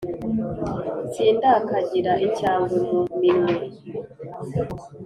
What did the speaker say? sindakagira icyangwe mu minwe.